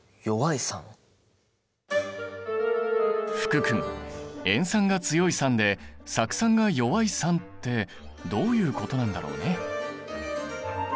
福君塩酸が強い酸で酢酸が弱い酸ってどういうことなんだろうね。